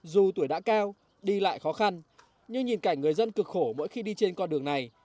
dù tuổi đã cao đi lại khó khăn nhưng nhìn cảnh người dân cực khổ mỗi khi đi trên con đường này